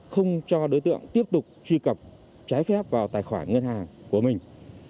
không cho đối tượng tiếp tục truy cập trái phép vào tài khoản ngân hàng của mình